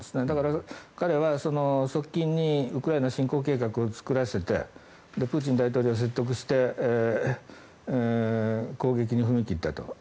だから、彼は側近にウクライナ侵攻計画を作らせてプーチン大統領を説得して攻撃に踏み切ったと。